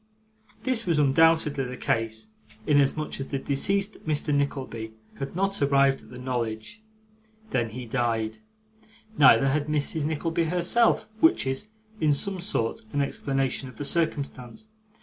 This was undoubtedly the case, inasmuch as the deceased Mr. Nickleby had not arrived at the knowledge when he died. Neither had Mrs. Nickleby herself; which is, in some sort, an explanation of the circumstance.